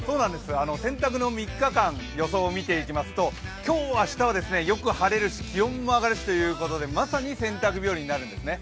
洗濯の３日間、予想を見ていきますと今日、明日はよく晴れるし気温も上がるしということでまさに洗濯日和になりるんですね。